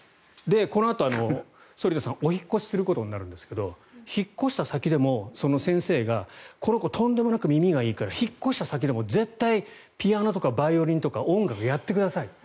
このあと反田さんはお引っ越しすることになるんですけど引っ越した先でも、先生がこの子とんでもなく耳がいいから引っ越した先でも絶対ピアノとかバイオリンとか音楽をやってくださいと。